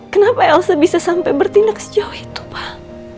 kenapa elsa bisa sampai bertindak sejauh itu pak